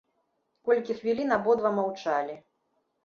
Колькі хвілін абодва маўчалі.